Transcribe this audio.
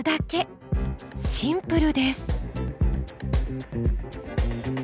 シンプルです。